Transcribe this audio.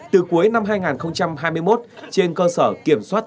từ cuối năm hai nghìn hai mươi một trên cơ sở kiểm soát